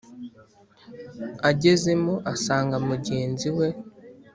agezemo asanga mugenzi we